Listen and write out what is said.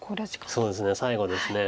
そうですね最後です。